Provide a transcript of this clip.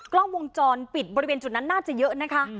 กล้องวงจรปิดบริเวณจุดนั้นน่าจะเยอะนะคะ